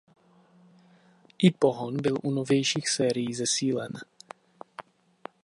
I pohon byl u novějších sérií zesílen.